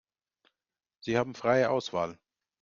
Sie haben freie Auswahl.